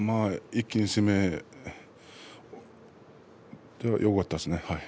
一気に攻めてよかったですね。